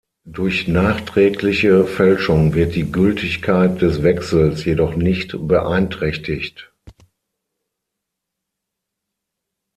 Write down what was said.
Durch nachträgliche Fälschung wird die Gültigkeit des Wechsels jedoch nicht beeinträchtigt.